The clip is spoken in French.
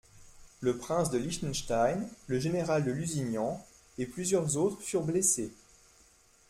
Le prince de Liechtenstein, le général de Lusignan et plusieurs autres furent blessés.